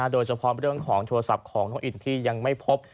โดยเฉพาะเรื่องของโทรศัพท์ของน้องอินที่ยังไม่พบ